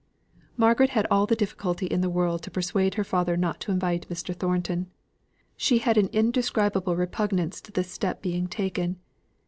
Margaret had all the difficulty in the world to persuade her father not to invite Mr. Thornton. She had an indescribable repugnance to this step being taken.